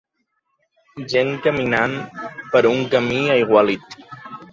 Gent caminant per un camí aigualit.